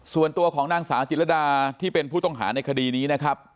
ส่วนตัวของนางสาวจิรดาที่เป็นผู้ต้องหาในคดีนี้นะครับ